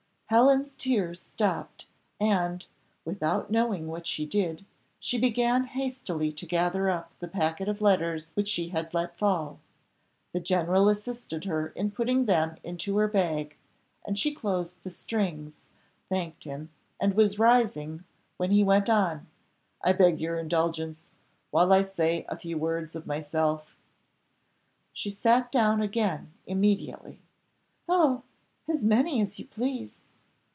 Helen's tears stopped, and, without knowing what she did, she began hastily to gather up the packet of letters which she had let fall; the general assisted her in putting them into her bag, and she closed the strings, thanked him, and was rising, when he went on "I beg your indulgence while I say a few words of myself." She sat down again immediately. "Oh! as many as you please."